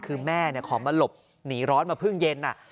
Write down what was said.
คือแม่ขอมาหลบหนีร้อนมาเพิ่งเย็น